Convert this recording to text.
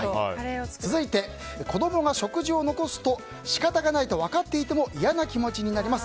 続いて、子供が食事を残すと仕方がないと分かっていても嫌な気持ちになります。